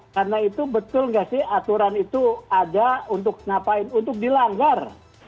karena itu betul nggak sih aturan itu ada untuk dilanggar